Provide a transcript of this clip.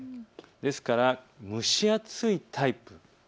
ですから蒸し暑いです。